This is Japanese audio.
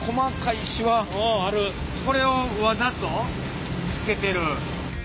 これをわざとつけてる？